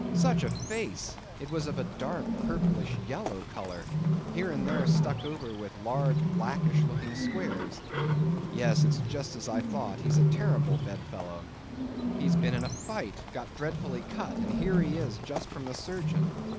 Such a face! It was of a dark, purplish, yellow colour, here and there stuck over with large blackish looking squares. Yes, it's just as I thought, he's a terrible bedfellow; he's been in a fight, got dreadfully cut, and here he is, just from the surgeon.